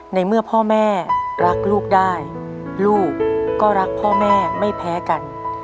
ในเมื่อพ่อแม่รักลูกได้ลูกก็รักพ่อแม่ไม่แพ้กัน